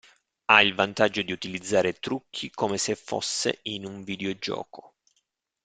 Ha il vantaggio di utilizzare trucchi come se fosse in un videogioco.